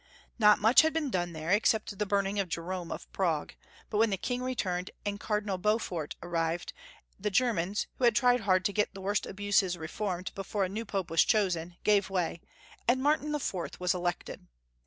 Not much had been done there except the burn ing of Jerome of Prague; but when the King returned, and Cardinal Beaufort arrived, the Ger mans, who had tried hard to get the worst abuses reformed before a new Pope was chosen, gave way, and Martin IV. was elected.